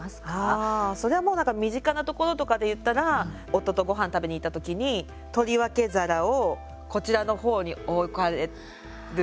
ああ、それはもう身近なところとかで言ったら夫とごはん食べに行った時に取り分け皿をこちらの方に置かれる。